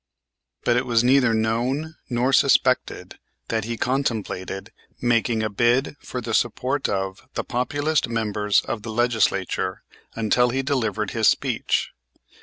But it was neither known nor suspected that he contemplated making a bid for the support of the Populist members of the Legislature until he delivered his speech.